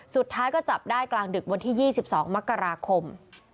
สุดท้ายก็จับได้กลางดึกวันที่๒๒มกราคม